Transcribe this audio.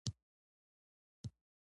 واوره د افغانانو د ژوند طرز ډېر اغېزمنوي.